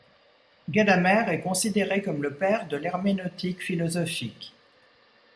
Gadamer est considéré comme le père de l'herméneutique philosophique.